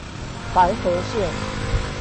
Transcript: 白河線